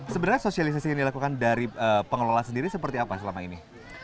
sebenarnya sosialisasi yang dilakukan dari pengelola sendiri seperti apa selama ini